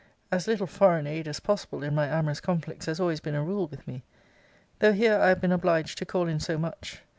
As little foreign aid as possible in my amorous conflicts has always been a rule with me; though here I have been obliged to call in so much.